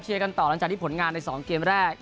กันต่อหลังจากที่ผลงานใน๒เกมแรก